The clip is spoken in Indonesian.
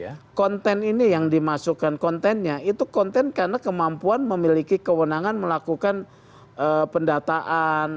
ya konten ini yang dimasukkan kontennya itu konten karena kemampuan memiliki kewenangan melakukan pendataan